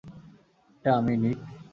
এটা আমি, নিক।